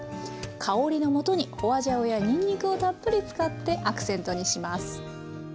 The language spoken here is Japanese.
香りのもとに花椒やにんにくをたっぷり使ってアクセントにします。